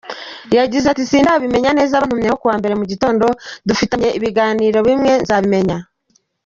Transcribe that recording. Yagize ati:” sindabimenya neza, bantumyeho kuwa mbere mu gitondo, dufitanye ibiganiro nibwo nzabimenya”.